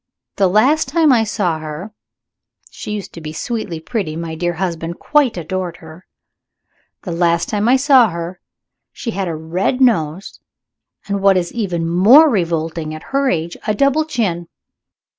The last time I saw her (she used to be sweetly pretty; my dear husband quite adored her) the last time I saw her she had a red nose, and, what is even more revolting at her age, a double chin.